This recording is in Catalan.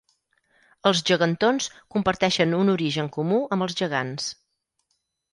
Els gegantons comparteixen un origen comú amb els gegants.